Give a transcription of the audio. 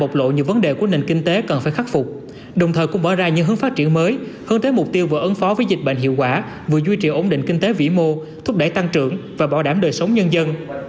phát phục đồng thời cũng bỏ ra những hướng phát triển mới hơn thế mục tiêu vừa ấn phó với dịch bệnh hiệu quả vừa duy trì ổn định kinh tế vĩ mô thúc đẩy tăng trưởng và bảo đảm đời sống nhân dân